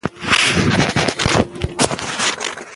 شاه عباس په خپله زمانه کې کندهار له مغلانو څخه ونيو.